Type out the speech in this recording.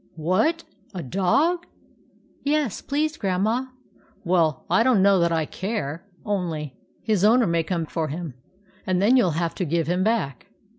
" What, a dog ?"" Yes, please, Grandma." "Well, I don't know that I care. Only his owner may come for him, and then you '11 have to give him back."